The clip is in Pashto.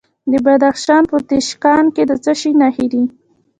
د بدخشان په تیشکان کې د څه شي نښې دي؟